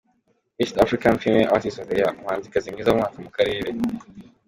East African Femele Artist of the year: Umuhanzikazi mwiza w’umwaka mu karere.